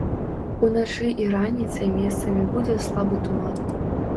Уначы і раніцай месцамі будзе слабы туман.